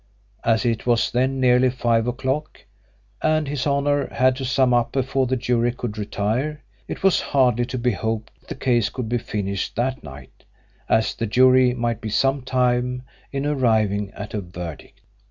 As it was then nearly five o'clock, and His Honour had to sum up before the jury could retire, it was hardly to be hoped that the case could be finished that night, as the jury might be some time in arriving at a verdict.